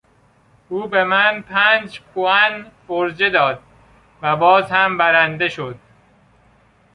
او به من پنج پوان فرجه داد و باز هم برنده شد!